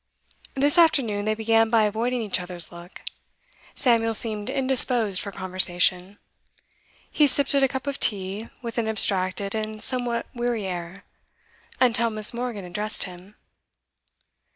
This afternoon, they began by avoiding each other's look. Samuel seemed indisposed for conversation; he sipped at a cup of tea with an abstracted and somewhat weary air, until Miss. Morgan addressed him.